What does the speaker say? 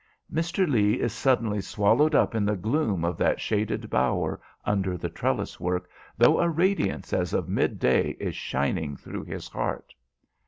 Mr. Lee is suddenly swallowed up in the gloom of that shaded bower under the trellis work, though a radiance as of mid day is shining through his heart.